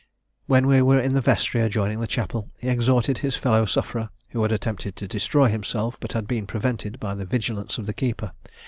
When we were in the Vestry adjoining the Chapel, he exhorted his fellow sufferer, who had attempted to destroy himself, but had been prevented by the vigilance of the keeper.